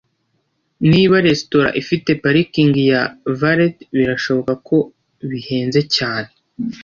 Niba resitora ifite parikingi ya valet birashoboka ko bihenze cyane.